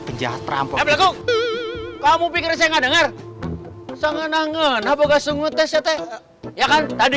penjahat terampak kamu pikir saya nggak dengar sangat nangan apakah sungguh tes ya kan tadi